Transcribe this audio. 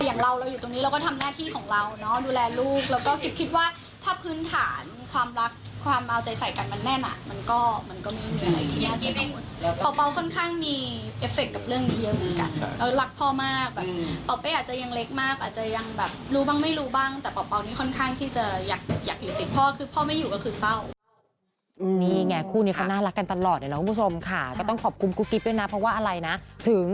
อย่างเราเราอยู่ตรงนี้เราก็ทำหน้าที่ของเราเนาะดูแลลูกแล้วก็คิดว่าถ้าพื้นฐานความรักความเอาใจใส่กันมันแน่หนักมันก็มันก็ไม่มีอะไรที่น่าจะโน้น